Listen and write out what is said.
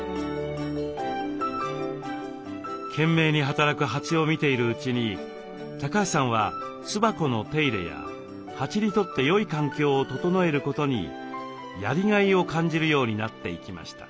懸命に働く蜂を見ているうちに橋さんは巣箱の手入れや蜂にとってよい環境を整えることにやりがいを感じるようになっていきました。